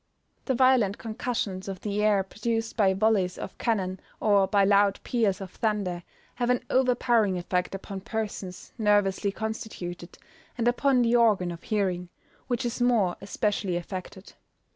The violent concussions of the air produced by volleys of cannon, or by loud peals of thunder, have an overpowering effect upon persons nervously constituted, and upon the organ of hearing, which is more especially affected.